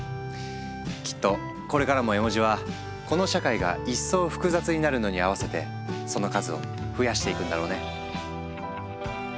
きっとこれからも絵文字はこの社会が一層複雑になるのに合わせてその数を増やしていくんだろうね。